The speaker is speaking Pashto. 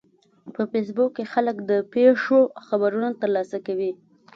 په فېسبوک کې خلک د پیښو خبرونه ترلاسه کوي